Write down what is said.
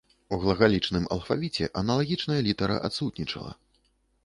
У глагалічным алфавіце аналагічная літара адсутнічала.